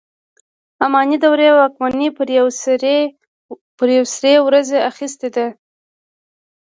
اماني دورې واکمني پر یوې سرې ورځې اخیستې ده.